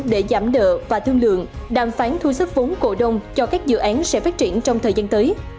để giảm nợ và thương lượng đàm phán thu xếp vốn cổ đông cho các dự án sẽ phát triển trong thời gian tới